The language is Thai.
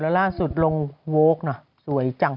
แล้วล่าสุดลงโว๊คนะสวยจัง